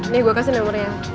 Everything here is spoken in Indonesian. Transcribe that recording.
nih gue kasih nomernya